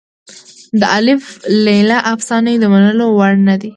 د الف لیله افسانې د منلو وړ نه دي.